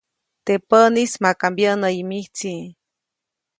Teʼ päʼnis maka mbyäʼnäyi mijtsi.